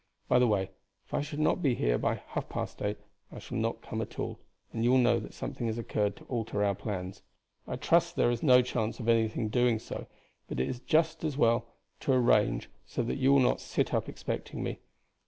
By the way, if I should not be here by half past eight I shall not come at all, and you will know that something has occurred to alter our plans. I trust there is no chance of anything doing so, but it is as well to arrange so that you should not sit up expecting me.